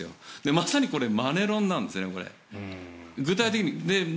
まさにこれマネロンなんですね。